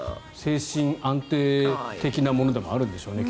精神安定的なものでもあるんでしょうね。